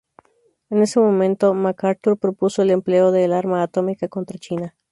En ese momento, MacArthur propuso el empleo del arma atómica contra China.